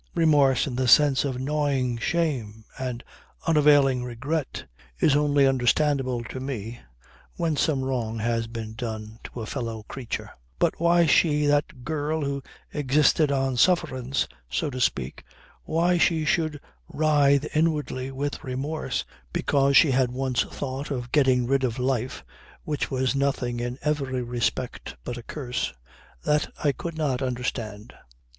Remorse in the sense of gnawing shame and unavailing regret is only understandable to me when some wrong had been done to a fellow creature. But why she, that girl who existed on sufferance, so to speak why she should writhe inwardly with remorse because she had once thought of getting rid of a life which was nothing in every respect but a curse that I could not understand.